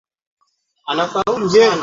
katika makoloni yao Kutokana na jambo hilo